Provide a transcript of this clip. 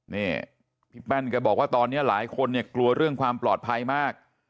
นี่พี่แป้นแกบอกว่าตอนนี้หลายคนเนี่ยกลัวเรื่องความปลอดภัยมาก